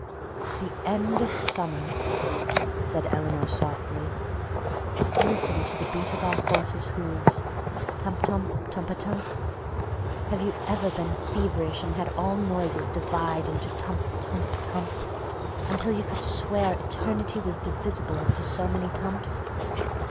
"The end of summer," said Eleanor softly. "Listen to the beat of our horses' hoofs—'tump tump tump a tump.' Have you ever been feverish and had all noises divide into 'tump tump tump' until you could swear eternity was divisible into so many tumps?